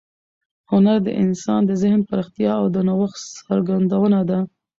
هنر د انسان د ذهن پراختیا او د نوښت څرګندونه ده.